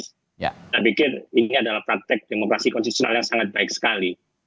saya pikir ini adalah praktek demokrasi konstitusional yang sangat baik sekali